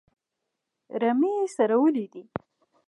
رمې یې څرولې دي.